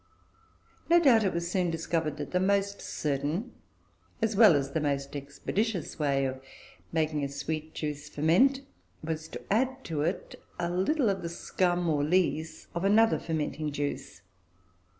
No doubt it was soon discovered that the most certain, as well as the most expeditious, way of making a sweet juice ferment was to add to it a little of the scum, or lees, of another fermenting juice.